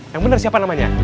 yang bener siapa namanya